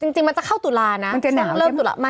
จริงมันจะเข้าตุลานะ